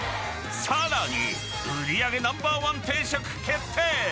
更に売り上げナンバー１定食、決定。